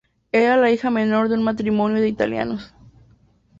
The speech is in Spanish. Era la hija menor de un matrimonio de italianos.